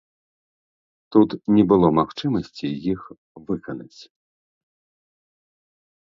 Тут не было магчымасці іх выканаць.